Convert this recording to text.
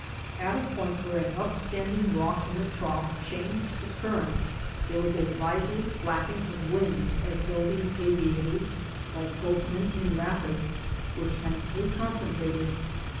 At a point where an upstanding rock in the Trough changed the cur rent there was a lively flapping of wings as though these aviators, like boatmen in rapids, were tensely concentrated.